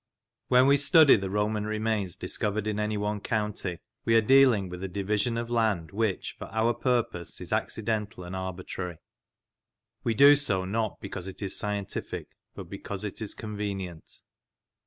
(HEN we study the Roman remains discovered in any one county, we are dealing with a division of land which, for our purpose, is accidental and arbitrary ... we do so not because it is scientific, but because it is convenient."